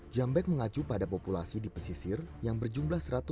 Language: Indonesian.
jambek mengacu pada populasi di pesisir yang berjumlah satu ratus enam puluh